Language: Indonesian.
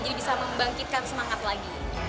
jadi bisa membangkitkan semangat lagi